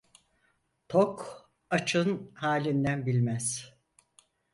Tok, acın halinden bilmez.